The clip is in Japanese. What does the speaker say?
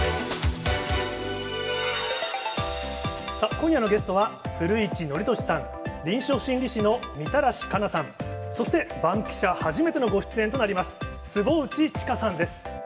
今夜のゲストは、古市憲寿さん、臨床心理士のみたらし加奈さん、そしてバンキシャ初めてのご出演となります、坪内知佳さんです。